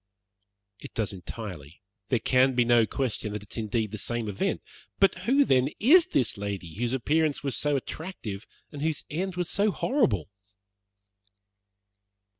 "It does entirely. There can be no question that it is indeed the same event. But who, then, is this lady whose appearance was so attractive and whose end was so horrible?"